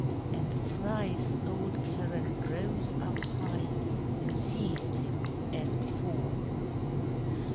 And thrice old Charon rose up high And seized him as before.